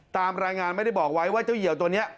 ตามรายงานไม่ได้บอกไว้ว่าเจ้าเหี่ยวตัวนี้